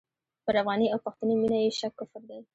پر افغاني او پښتني مینه یې شک کفر دی.